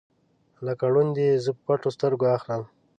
لکه ړوند یې زه په پټو سترګو اخلم